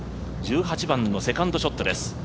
１８番のセカンドショットです。